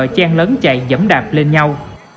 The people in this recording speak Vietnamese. chen lớn chạy dẫm đạp lên nhau